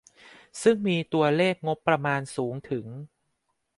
ซึ่งมีตัวเลขงบประมาณสูงถึง